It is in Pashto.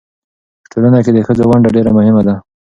په ټولنه کې د ښځو ونډه ډېره مهمه ده.